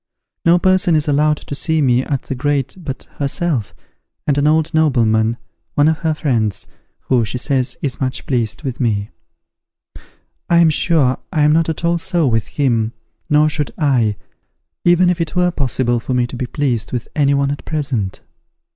No person is allowed to see me at the grate but herself, and an old nobleman, one of her friends, who, she says is much pleased with me. I am sure I am not at all so with him, nor should I, even if it were possible for me to be pleased with any one at present.